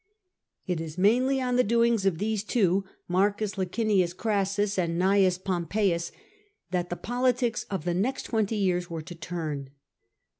It is mainly on the doings of these two, Marcus Licinius Orassus and Gn. Pompeius, that the politics of the nest twenty years were to turn.